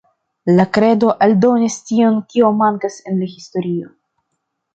La kredo aldonis tion kio mankas en la historio.